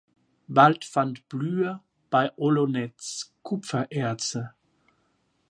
Bald fand Blüher bei Olonez Kupfererze.